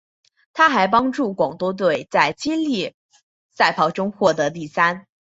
她还帮助广东队在接力赛跑中夺得第三。